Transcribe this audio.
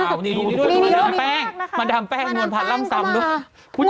มันทำแป้ง